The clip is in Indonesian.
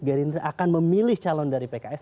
gerindra akan memilih calon dari pks